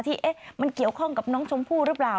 ที่มันเกี่ยวข้องกับน้องชมพู่หรือเปล่า